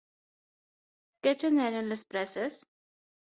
Què generen les preses?